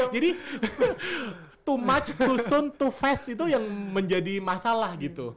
jadi too much too soon too fast itu yang menjadi masalah gitu